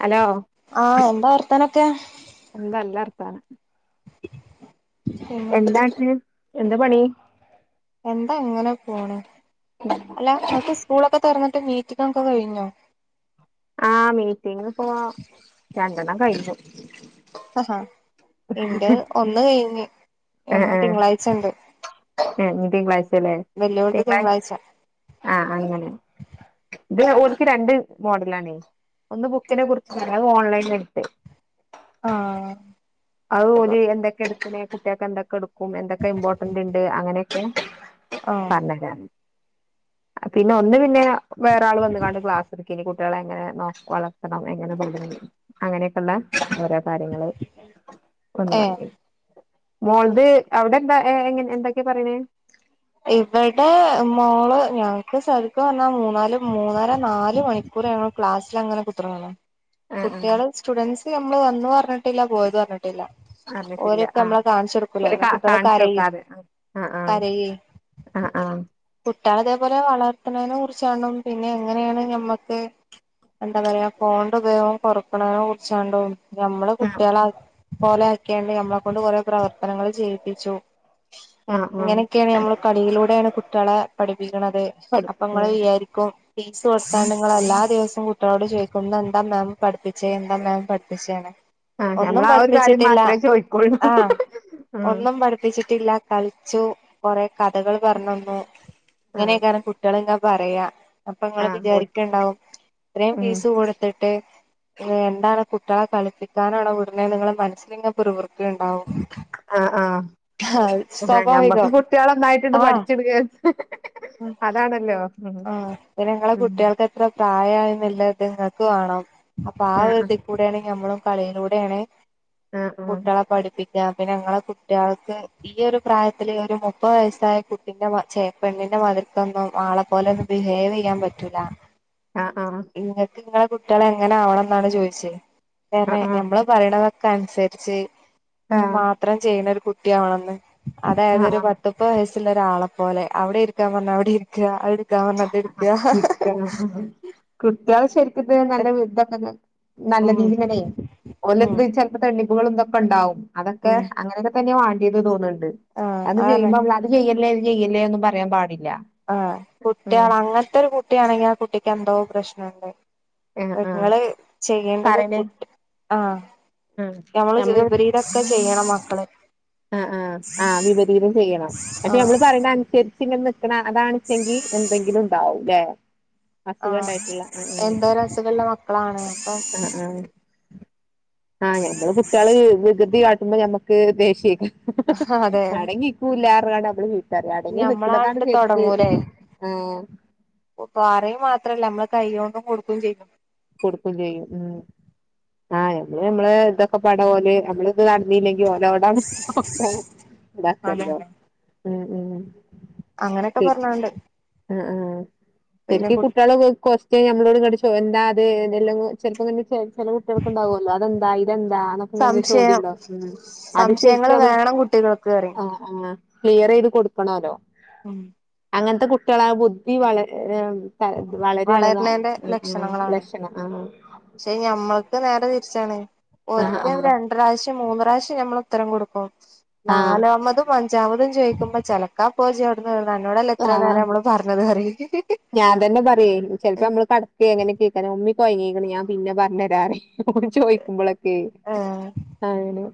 Hello ആഹ് എന്താ വർത്താനൊക്കെ എന്തല്ല വർത്താന പിന്നെ എന്താ പണി എന്താ ഇങ്ങനെ പോണെ അല്ല നിക്ക് സ്കൂളൊക്കെ തൊറന്നിട്ട് മീറ്റിങ്ങൊക്കെ കഴിഞ്ഞോ? ആ മീറ്റിങ്‌പ്പോ രണ്ടെണ്ണം കഴിഞ്ഞു. ആഹാ എണ്ട് ഒന്ന് കഴിഞ്ഞ് ഒന്ന് തിങ്കളാഴ്ച ഇണ്ട്. ഏ ഇനി തിങ്കളാഴ്ച ല്ലേ തിങ്കളാഴ്ച ആ അങ്ങനെ ഇത് ഒ ക്ക് രണ്ട് മോഡലാണ് ഒന്ന് ബുക്കിനെ കുറിച്ച് പറയാ അത് ഓൺലൈനായിട്ട്. ആഹ് അത് ഓല് എന്തൊക്കെ എടുക്കണെ, കുട്ടികൾക്ക് എന്തൊക്കെ എടുക്കും, എന്തൊക്കെ ഇമ്പോർട്ടന്റ് ഇണ്ട്, അങ്ങനെയെക്കെ. ആഹ് പറഞ്ഞതാണ്, പിന്നെ ഒന്ന് പിന്നെ വേറാള് വന്നുകാണ്ട് ക്ലാസ് എടുക്കനീ കു കുട്ടികളെ എങ്ങനെ നോ വളർത്തണം എങ്ങനെ [unintelligible] അങ്ങനെയൊക്കെയുള്ള ഓരോ കാര്യങ്ങള്. ഒന്ന് ഏഹ് പറയ് മോൾത് അവിടെ എന്താ ഏഹ് ഏഹ് എന്തൊക്കെയാ പറയണ്. ഇവടെ മോള് ഞങ്ങക്ക് ശരിക്കും പറഞ്ഞാ മൂന്നാല് മൂന്നര നാല് മണിക്കൂ റ് ഞങ്ങള് ക്ലാസിലങ്ങനെ കുത്തിറിങ്ങണം. ആ ആ കുട്ടികള് സ്റ്റുഡന്റ്സ് നമ്മള് വന്നതും അറഞ്ഞിട്ടില്ല പോയതും അറിഞ്ഞിട്ടില്ല. അറിഞ്ഞിട്ടില്ല ആഹ് ഒരു കാ കുട്ടികള് കാണിച്ച കരയും കൊടുക്കാതെ ആ ആഹ് ആഹ് ആഹ് ആഹ് [unintelligible] അതേപോലെ വളർത്തണേനെ കുറിച്ചാണ്ടും പിന്നെ എങ്ങനെയാണ് ഞമ്മക്ക് എന്താ പറയാ ഫോൺൻറെ ഉപയോഗം കൊറക്കണേനെ കുറിച്ചാണ്ടും ഞമ്മള് ആ കുട്ടികളെ പോലെ ആക്കിയാണ്ട് ഞമ്മളെ കൊണ്ട് കൊറേ പ്രവർത്തനങ്ങള് ചെയ്യിപ്പിച്ചു. ആ ആ അങ്ങനെയൊക്കെയാണ് ഞമ്മള് കളിയിലൂടെയാണ് കുട്ടികളെ പഠി പ്പിക്കണത് അപ്പൊ പഠിപ്പിക്കണ ഇങ്ങള് വിചാരിക്കും ഫീസ് കൊടുത്താ നിങ്ങള് എല്ലാ ദിവസവും കുട്ടികളോട് ചോദിക്കും ഇന്ന് എന്താ മാം പഠിപ്പിച്ചേ എന്താ മാം പഠിപ്പിച്ചേന്ന്. ആ ഒന്നും ഞമ്മള് ആ ഒരു കാര്യം പഠിപ്പിച്ചിട്ടില്ല മാത്രമേ ചോദിക്കുള്ളൂ ആ ഒന്നും പഠിപ്പിച്ചിട്ടില്ല കളി ച്ചു കൊറേ കഥകള് പറഞ്ഞന്നു ആ ഇങ്ങനെയൊക്കാണ് കുട്ടികളിങ്ങെ പറയാ. അപ്പ നിങ്ങള് ആ ഓൽക്ക് വിചാരിക്കിണ്ടാവും ഇത്രയും ഉം ഫീസ് കൊടുത്തിട്ട് എന്താണ് കുട്ടികളെ കളിപ്പിക്കാനാണോ വിടണേ നിങ്ങള് മനസ്സിലിങ്ങനെ പിറു പുറത്തു ഉണ്ടാവും ആ ആ ആ സ്വാഭാവികം നന്നായിട്ടിണ്ട് ആഹ് പഠിച്ചെടുക്കാൻ അതാണല്ലോ ഉം ആ നിങ്ങളെ ഉം കുട്ടികൾക്ക് എത്ര പ്രായായിന്നിള്ളത് നിങ്ങക്ക് വേണം. അപ്പൊ ആ ഒരു ഇതി കൂടെയാണ് ഞമ്മളും കളിയിലൂടെ ആണ് ആ കുട്ടിയളെ പഠിപ്പി പിന്നെ ഇങ്ങളെ കുട്ടികൾക്ക് ഈയൊരു പ്രായത്തില് ഒരു മുപ്പത് വയസായ കുട്ടിന്റെ ചേപ്പെങ്ങനെ മാതിരിക്കൊന്നും ആളെ പോലെ ഒന്നും ബിഹേവ് ചെയ്യാൻ പറ്റൂല, ആ ആ ഇങ്ങൾക്ക് ഇങ്ങളെ കുട്ടിയെള് എങ്ങനെ ആവണന്നാണ് ചോദിച്ചത്, കാരണം ഞമ്മള് പറയണതൊക്കെ അനുസരിച്ച് ആ ആ മാത്രം ചെയ്യണ ഒരു കുട്ടിയാവണന്ന് അതായത് ആ ഒരു ആ പത്ത് മുപ്പത് വയസ്സ് സുള്ള ഒരാളെ പോലെ അവടെ ഇരിക്കാൻ പറഞ്ഞാ അവടെ ഇരിക്കാ അവിടെ എടുക്കാൻ പറഞ്ഞാ അത് എടുക്കുക കുട്ടിയള് ശരിക് ഇത് നല്ല ഇതൊക്കെ ന നല്ല ഉം രീതി ഇങ്ങനെ ഉം ഓലട്ത്ത് ചെലപ്പോ തണ്ണിപ്പുകളും ഇതൊ ക്കെണ്ടാവും അതൊക്കെ ഉം അങ്ങനെയൊക്കെ തന്നെയാ വാണ്ടിയത് തോന്നിണ്ട്, ആഹ് അത് ആണ് കഴിയുമ്പോ അവള് അത് ചെയ്യല്ലേ [unintelligible] ചെയ്യല്ലേ ഒന്നും പറയാൻ പാടില്ല ആ ഉം കുട്ടികൾ അങ്ങൻത്തെ ഒരു കുട്ടിയാണെങ്ങേ ആ കുട്ടിക്ക് എന്തോ പ്രശ്ന്ണ്ട്. ആഹ് ഇപ്പൊ ആഹ് ഇങ്ങള് ചെയ്യേണ്ടത് പറയണേ കുട്ടി ആ ആഹ് ഞങ്ങള് ചെയ്ത് വിപരീതൊക്കെ ചെയ്യണം മക്കള് ആ ആഹ് ആഹ് വിപരീതം ചെയ്യണം, പക്ഷെ ആഹ് നമ്മള് പറയണ് അനുസരിച്ച് ഇങ്ങനെ നിക്ക് അ [inaudible] അതാണിച്ചെങ്കി എന്തെങ്കിലും ഉണ്ടാവും ല്ലേ ആ അസുഖം ഉണ്ടായിട്ടുള്ള ആഹ് ആഹ് എന്തോരു അസുഖുള്ള മക്കളാണ് അപ്പൊ ആഹ് ആഹ് ആഹ് ഞമ്മള് കുട്ടികള് വികൃതി കാട്ടുമ്പോ ഞമ്മക്ക് ദേഷ്യ അതെ അടങ്ങിക്കൂലാ പറഞ്ഞാണ്ട് നമ്മള് വി ഞമ്മളാണ്ട് തൊടങ്ങൂലേ ആഹ് ഇപ്പൊ പറയ് മാത് ത്രല്ല നമ്മള് കയ്യോണ്ടും കൊടുക്കും ചെയ്യും. കൊടുക്കും ചെയ്യും ഉം. ആഹ് ഞമ്മൾ നമ്മള് ഇതൊക്കെ പട പോലെ നമ്മള് ഇത് നടന്നല്ലെങ്ക [unintelligible] ഒക്കെ ഇതാക്കല്ലോ അതന്നെ ഉ ഉ അങ്ങനെയൊക്കെ ശരി പറഞ്ഞാണ്ട് ആ ആ പിന്നെ ശരിക്ക കുട്ടി കുട്ടികളൊക്കെ നമ്മളോട് കിച്ചു എന്താ അല്ല ചെിലപ്പം തന്നെ ചില കുട്ടികൾക്ക ഉണ്ടാാവുമല്ലോ അതെന്താ ഇതെന്താൊക്കെ ഇങ്ങന ചോദ്യം സംശയം ഉണ്ടോ ഉ അത് സേഫി സംശയങ്ങള് ആ വേണം കുട്ടികൾക്ക് പറയും ആ ക്ലിയർ ചെയ്ത് കൊടുക്കണല്ലോ ഉം അങ്ങനത്തെ കുട്ടികളായ ബുദ്ധി വള വളരെ വളരണേന്റെ [unintelligible] ലക്ഷണങ്ങളാണ് ലക്ഷണം ആഹ പക്ഷെ ഞമ്മൾക്ക് നേരെ തിരിച്ചാണ് ആഹ് ഒരിക്കൽ ആഹ് രണ്ട [unintelligible] മൂന്ന് പ്രാാവ നമ്മൾ ഉത്തരം കൊടുക്കും ആഹ് നാമതും അഞ്ചാമതും ചോദിക്കുമ്പോ ചലക [inaudible] എന്നോടല്ല എത്ര ആഹ് നേരം നമ്മള് പറഞ്ഞത് പറ ഞാൻ തന്നെ പറയ ചിലപ്പോ നമ്മള് കടക്ക എങ്ങനെ കേൾക്കാ ഉമ്മിിക്കയങ്ങീക്ക ഞാൻ പിന്നെ പറഞ്ഞഞ്രാറ ചോദിക്കുമ്പോളൊക്കെ ആഹ് ആനെ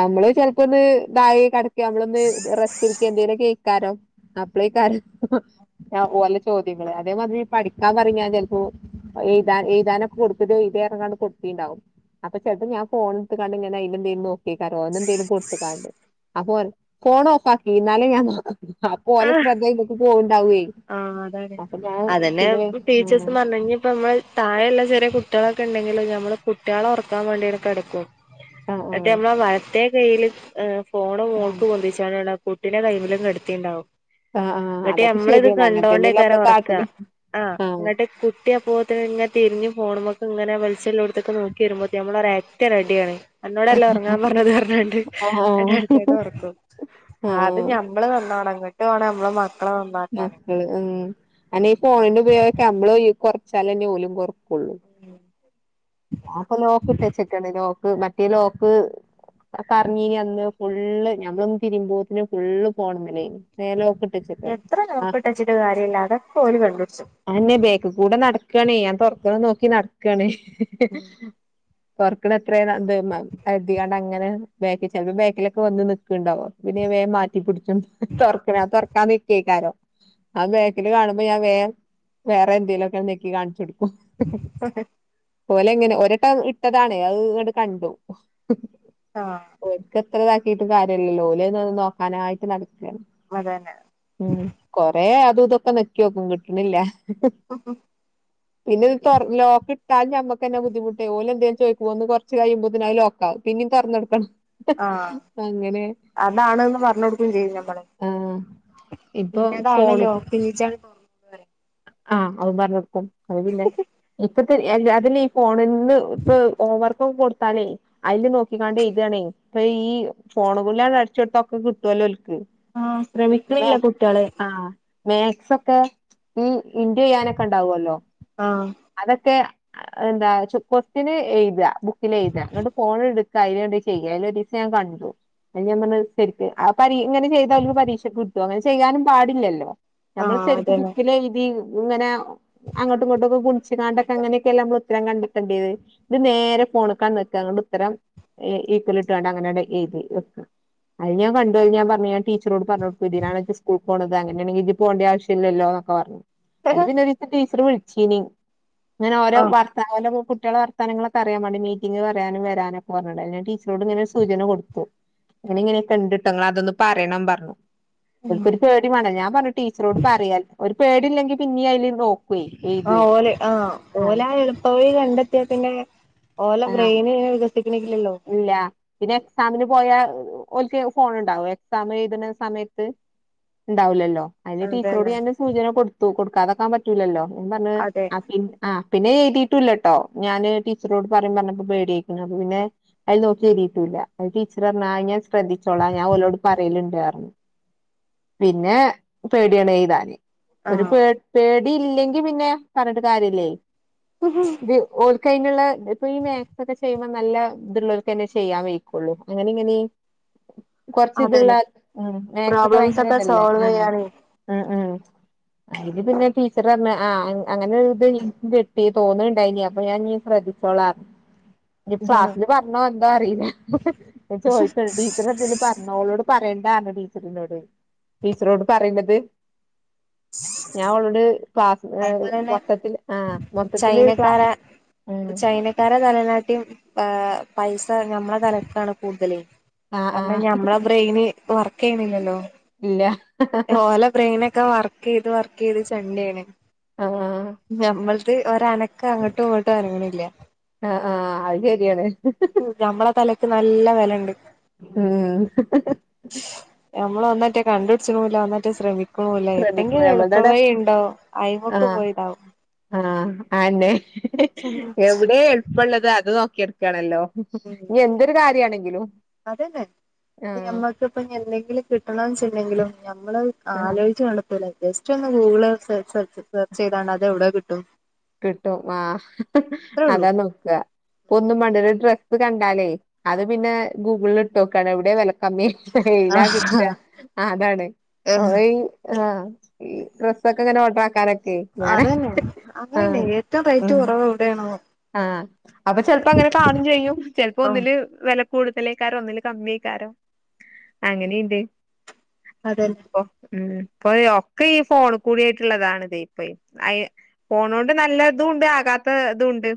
നമ്മള് ചിലപ്പോ ഒന്ന് ദായ കിടക്ക നമ്മളൊന്ന് റെസ്റ്റ് ഇരിക്ക എന്തെേിലും കേൾക്കാരോ അപ്ളേക്കാരല്ല ചോദ്യങ്ങള് അതേമാതിരി പഠിക്കാൻ പറഞ്ഞാൽ ചിലപ്പോ എഴുാൻ എഴുതാനൊക്കെ കൊടുത്തിട്ട എഴത ഇറങ്ങാണ്ട് കൊടുത്തിുണ്ടാാവും അപ്പൊ ചെട്ടത് ഞാ ഫോണടുട്ട കണ്ടിങ്ങനെ അയലണ്ടീന്നരുന്നു ോ എന്തേലും കൊടുത്തക്കാണ്ട് അപ്പൊ ഫോൺ ഓഫ ആാക്കി ഇ എന്നാലേ ഞാൻ ആ പോല ശ്രദ്ധൊക്കക്ക് പോവണ്ടാവേ ആഹ് അതന്നെ ടീച്ചേഴ് പറഞ്ഞെപ്പോ നമ്മള് താഴെയല്ല ചെറിയ കുട്ടികള ഉണ്ടെങ്കിൽ നമ്മള് കുട്ടികളെ ഉറക്കാൻ വേണ്ടിക്കെ എടുക്കും ആഹ് മേ നമ്മ മരത്ത കയ്യിൽ ഫോണ് ആഹ് മോൾക്ക് കൊതിച്ചാണ് കുട്ടിനെ കൈമിലും കെടുത്തിട്ടണ്ടാവും ആഹ് ആ് അതൊക്കെ ശരിയ കണ്ടോണ്ടേക്കാര ഉറക്കുക ആ ആഹ് ഇങ്ങട്ട് കുട്ടി അപ്പോത്ത ഇങ്ങെ തിരിഞ്ഞു ഫോണുമക്ക ഇങ്ങനെ മത്സംോത്തൊക്കെ നോി കീറമ്പോത്തി നമ്മള ഒര അറ്റ റെഡിയാണ് എന്നോടല്ലാം ഉറങ്ങാൻ പറഞ്ഞത് പറഞ്ഞണ്ട് ആഹ് എന്റെ ആഹ് അടുത്തായിട്ട് ഉറക്കു അത് ആഹ് ഞമ്മള് നന്നാണ് അങ്ങോട്ട് വേണം നമ്മള് മക്കളെ നന്നാക്കാാന ഉ അന്നെ ഈ ഫോണിന്റെറെ ഉപയോഗൊക്കെ നമ്മ കുറച്ചാലന്നെ പോഓലും കൊറക്കുള്ളു ഞാൻപ്പൊ ലോക്ക് ഇട്ടച്ചിക്കാണ് ലോക്ക് മറ്റേ ലോക്ക് കഞ്ഞീന് അന്ന് ഫുള്ള് ഞമ്മള ഒന്ന് തിരുമ്പോത്തിന് ഫുള്ള് പോണമലേ നലക്ക എത്ര നോക്കിട്ടച്ചിട്ട കാര്യമില്ല അതൊ പോലും കണ്ടു അന്നെ ബേക്ക് കൂടെ നടക്കണ ഞാൻ തുൊറക്ക നോക്കി നടക്കാണ്േ പർക്കണ എത്ര ചപ്പോ ബേക്കിലൊക്കെ വന്ന് നണ്ടാവോ പിന്നെ വേ മാറ്റിടിച്ചും തുറക്ക നിക്കേക്കാരോ ആ ബേക്കിൽ കാണ്പോ ഞാ വേഗ വേറെ എന്തെേലുമൊക്കെ നക്കി കാണിച്ചുടി [inaudible] പോലെ എങ്ങനെ ഒരട്ട ഇട്ടതാണേ അത് ഇങ്ങോട് കണ്ടു ആഹ് ഓർക്ക് എത്ര ഇതാക്കിട്ട് കാര്യല്ല ലോലിന്നന്ന് നോക്കാനായിട്ട് നട അതന്നെ ഉ കൊറ അതും ഇതൊക്കെ നക്കിോക്കും കിട്ടണില്ല ഉ ഹ പിന്നത് ലോക്ക് ഇട്ടാലും ഞമ്മക്ക് തന്നാ ബുദ്ധിമുട്ട് ഓല് എന്തേലും ചോദിക്കുമ്പോ ഒന്ന് കുറച്ച് കഴിയുമ്പോ തന്നെ അത് ലോക്ക് ആവും പിന്നെയും തുറന്നു കൊടുക്കണം ആഹ് അങ്ങനെ അതാണ്ന്ന് പറഞ്ഞ് ആഹ് ഇപ്പൊ പിന്നെതാണല്ലോ ഫോണും [inaudible] ആഹ് അതും പറഞ്ഞിക്കും [unintelligible] ഇപ്പത്തെ അതില് ഈ ഫോണി ഇത് ഇപ്പോ ഹോം വർക്കും കൊട് ലേ അയില് നോക്കിക്കാണ്ട് എഴുതുവാണേ ഇപ്പൊ ഈ ഫോണുകളാണ് അടിച്ചു കൊടുത്താ ഒക്കെ കിട്ടുവല്ലോ ആഹ് ശ്രമിക്കണില്ല കുട്ടികള് ആഹ് മാത്‍സ് ഒക്കെ ഈ ഇൻടു ചെയ്യാനൊക്കെ ഉണ്ടാവുമല്ലോ ആഹ് അതൊക്കെ എന്താ ക്വസ്റ്റ്യന് എഴുതുക ബുക്കില് എഴുതുക എന്നിട്ട് ഫോൺ എടു അതി ചെയ്യ അതിൽ ഒരു ദിവസം ഞാൻ കണ്ടു ഞാൻ പറഞ്ഞ് ആഹ് പരീ ഇങ്ങനെ ചെയ്താ പരീക്ഷക്ക് കിട്ടുവോ അങ്ങനെ ചെയ്യാനും പാടില്ലല്ലോ ആ നമ്മള് ശരിക്ക് അതന്നെ ബുക്കിൽ എഴുതി ഇങ്ങനെ അങ്ങോട്ടും ഇങ്ങോട്ടും ഒക്കെ ഗുണിച്ച് കാണ്ടൊക്കെ അങ്ങനെയൊക്കെല്ലേ നമ്മള് ഉത്തരം കണ്ടത്തണ്ടിയേത് ഇത് നേരെ ഫോണ്ക്കാ നോക്കുക അതുകൊണ്ട് ഉത്തരം ഈക്വൽ ഇട്ട് വേണ്ട അങ്ങനാണ്ട് എഴുതി വക്കണ് അത് ഞാൻ പണ്ടു പോയി ഞാൻ പറഞ്ഞു ഞാൻ ടീച്ചറോട് പറഞ്ഞു കൊടുത്തു ഇതിനാണോ സ്കൂളിൽ പോണത് അങ്ങനാണെങ്കിൽ ഇജ്ജ് പോകണ്ട ആവശ്യം ഇല്ലല്ലോ ലോ പറഞ്ഞ് അലിപിന്നെ ഒരു ദിവസം ടീച്ചർ വിളിച്ചീനി ഇങ്ങനെ ഓരെ ആഹ് വാർത്താന കുട്ടിയോളുടെ വർത്താനങ്ങളൊക്ക അറിയാൻ വേണ്ടി മീറ്റിംഗ് പറയാനും വരാനും ഒക്കെ പറഞ്ഞുണ്ട് ഞാൻ ടീച്ചറോട് ഇങ്ങന ഒരു സൂചന കൊടുത്തു [unintelligible] ഇങ്ങനെ കണ്ട് ട്ടോ നിങ്ങൾ അതൊന്ന് പറയണം പറഞ്ഞു ക്കൊരു പേടി വേണം ഞാൻ പറഞ്ഞു ടീച്ചറോട് പറയാൻ ഒരു പേടി ഇല്ലെങ്കി പിന്നീ അതില് നോ ആഹ് ഓല് ആഹ് ഓലാ എളുപ്പ വഴി കണ്ടെത്തിയ പിന്നെ ഓല ആഹ് ബ്രെയിന് വികസിക്കണില്ലല്ലോ ഇല്ല പിന്നെ എക്സാമിന് പോയാൽ ഓൽക്ക് ഫോൺ ഉണ്ടാവോ എക്സാം എഴുതണ സമയത്ത് ഉണ്ടാവില്ലല്ലോ അതിന് ടീച്ചറോട് അതന്നെ ഞാന് സൂചന കൊടുത്തു കൊടുക്കാതാക്കാൻ പറ്റൂലല്ലോ പറഞ്ഞ് അതെ ആക്കി ആഹ് പിന്നെ എഴുതിയിട്ടും ഇല്ലട്ടോ ഞാന് ടീച്ചറോട് പറയും പറഞ്ഞപ്പോ പേടിയായി പിന്നെ അപ്പൊ പിന്നെ അത് നോക്കി എഴുതിയിട്ടൂല്ല അത് ടീച്ചർ പറഞ്ഞ് അത് ഞാൻ ശ്രദ്ധിച്ചോളാം ഞാൻ ഓലോട് പറയലുണ്ട് പറഞ്ഞു പിന്നെ പേടിയാണ് എഴുതാന് ആ ഒരു പേ പേടി ഇല്ലെങ്കി പിന്നെ പറഞ്ഞിട്ട് കാര്യം ഇല്ലേ ഇത് ഓ കഴിഞ്ഞുള്ള ഇപ്പൊ ഈ മാത്സ് ഒക്കെ ചെയ്യുമ്പോ നല്ല ഇത്ള്ളവർക്കല്ലേ ചെയ്യാൻ കയുള്ളൂ അങ്ങനെ ഇങ്ങനെ കൊറച്ച് ഇതുള്ള അതന്നെ ഉം മാത്സ് ഒക്കെ പ്രോബ്ലംസ് ഭയങ്കര ഇതല്ലേ ആ സോൾവ് ചെയ്യണേ ഉം ഉം അല്ലെങ്കി പിന്നെ ടീച്ചർ പറഞ്ഞ് ആ അങ്ങനെ ഒരു ഇത് തോന്നുന്നുണ്ടായിനി അപ്പൊ ഞാൻ ഇനി ശ്രദ്ധിച്ചോ കോളന്ന് ക്ലാസ്സില് പറഞ്ഞോ എന്തോ അറിയില്ല ഞാൻ ചോദിച്ചിണ്ട് ടീച്ചർ എന്തെലും പറഞ്ഞോ ഓളോട് പറഞ്ഞ് [unintelligible] ടീച്ചർ എന്നോട് ടീച്ചറോട് പറയണത് ഞാൻ അവളോട് ക്ലാസ് ഏഹ് അതുപോലെ തന്നെ മൊത്തത്തില് ആ മൊത്തത്തില് ക്ലാസ് ചൈനക്കാരെ ഉം ചൈനക്കാരെ നലനാട്ട്യം ആ പൈസ ഞമ്മളെ തലക്കാണ് കൂടുതല് ആ ആ കാരണം ഞമ്മളെ ബ്രെയിന് വർക്ക് ചെയ്യണില്ലല്ലോ ഇല്ല ഓല ബ്രെയിൻ ഒക്കെ വർക്ക് ചെയ്ത് വർക്ക് ചെയ്ത് ചെണ്ടിയാണ് ആ ആ ഞമ്മൾത് ഒരനക്ക് അങ്ങോട്ടും ഇങ്ങോട്ടും അനങ്ങണില്ല ആഹ് അത് ശരിയാണ് ഞമ്മളെ തലക്ക് നല്ല വിലയുണ്ട് ഉം ഞമ്മള് ഒന്നും ഒട്ട് കണ്ടുപിടിച്ചതും ഇല്ല ഒന്നും ഒട്ട് ശ്രമി എന്തെങ്കിലും ശ്രമിക്കും ഒരു എളുപ്പ നമ്മൾതവിടെ വഴി ഉണ്ടോ അയിമക്ക് പോയിതാവും ആഹ് ആന്നെ ഉം എവിടെ എളുപ്പമുള്ളത് അത് നോക്കിയടു ണല്ലോ ഇനി എന്തൊരു കാര്യമാണെങ്കിലും അതന്നെ ഞമ്മക്കിപ്പം എന്തെങ്കിലും കിട്ടണോന്ന്ച്ചണ്ടെങ്കിലും ഞമ്മള് ആഹ് ആലോചിച്ച് കുഴപ്പമില്ല ജസ്റ്റ് ഒന്ന് ഗൂഗിള് സെർച്ച് ചെയ്താണ്ട് അതെവിടെ കിട്ടും കിട്ടും ആ അത്രേ ഉള്ളൂ അതാ നോക്കുക ഒന്നും മണ്ട ഡ്ര ത് കണ്ടാലേ അത് പിന്നെ ഗൂഗിളിൽ ഇട്ട് നോക്കാണ് എവിടെയ വിലക്കമ്മി എയിലാ കിട്ട ആഹ് അതാണ് അ ആ ഈ ഡ്രസ്സൊക്കെ ഇങ്ങനെ ഓഡർ ആാക്കാനൊക്കെ അതന്നെ അങ്ങനെയന്നെ ഏറ്റവും റേറ്റ് കുറവ് എവിടെയാണ് ആ അപ്പൊ ചെിലപ്പോ അങ്ങനെ കാണും ചെയ്യും ചെപ്പോ ഓഹ് ഒന്നില് വില കൂടുതലക്കാാരോ ഒന്നില് കമ്മിക്കാരോ അങ്ങനെയുണ്ട് അതന്നെ ഉം ഇപ്പൊ ഒക്കെ ഈ ഫോൺ കൂടെയായിട്ടുള്ളതാണിതേ ഇപ്പേ അയ ഫോണോണ്ട് നല്ല ഇതുണ്ട് അത്ത ഇതുണ്ട്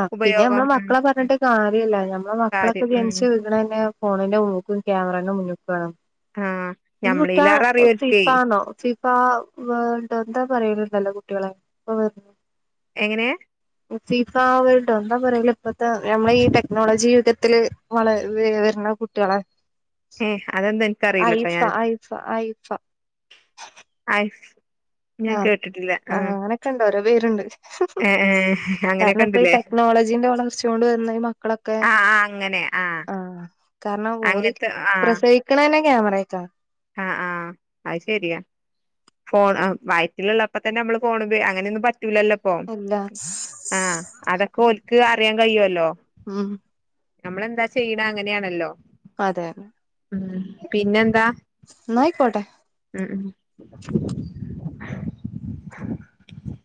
ആ പിന്നെ മ്മള് മക്കളെ ഉം പറഞ്ഞിട്ട് കാര്യമല്ല ഞമ്മെ മക്കളൊക്കെ കാര്യം ഉം ജനിച്ച് വീണത് തന്നെ ഫോണിന്റെ മുന്നൂക്ക ക്യാമറന്റെ മുന്നൂക്ക ആഹ് വേണംട്ട ഞമ്മളീലേറെ അറിയോൽക്കേ സിഫാണോഫ ഇപ്പ വേണ്ട എന്താ പറയലുണ്ടല്ലോ കുട്ടികളെ ഇപ്പ വ എങ്ങനെ ആ വേട്ടോ എന്താ പറയൽ ഇപ്പത്തെ നമ്മളി ടെക്നോളജി യുഗത്തില് വള വരുന്ന കുട്ടികൾ ആ ഏഹ് അതെന്താ എനിക്കറിയില്ലട്ടോ അയിഫ ഞാൻ അയിഫ അയിഫ അയ് ഞാൻ ആം കേട്ടിട്ടില്ല ആ ആഹ് അങ്ങനൊക്കെ ഇണ്ട് ഓരോ പേരുണ്ട് ഏഹ് ഏഹ് കാരണം അങ്ങനെയൊക്കെ ഇപ്പം ഈ ഉണ്ടില്ലേ ടെക്നോളജീന്റെ വളർച്ച കൊണ്ട് വരുന്ന ഈ മക്കളൊക്കെ ആഹ് ആഹ് അങ്ങനെ ആഹ് ആ കാരണം ഓള് അങ്ങനത്തെ പ്രസവിക്കണേ തന്നെ ക്യാമറയായിട്ട ആ ആ അത് ശെരിയാ ഫോൺ ആ വയറ്റിലള്ളപ്പോ തന്നെ നമ്മള് ഫോണ് ഉപ അങ്ങനെ പറ്റൂലല്ലോ ഇപ്പൊ ഇല്ല ആ അതൊക്കെ ഒൾക്ക് അറിയാൻ കഴിയുവല്ലോ ആ നമ്മളെന്താ ചെയ്യണ അങ്ങനെയാണല്ലോ അതെ ഉം ഉം പിന്നെന്താ നന്നായി പോട്ടെ ഉം [inaudible]